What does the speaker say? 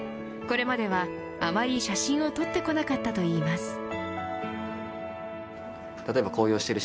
これまでは、あまり写真を撮ってこなかったといいます。